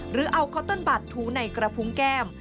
หรือเอาคอตเติ้ลบัตรถูในกระพุงแก้ม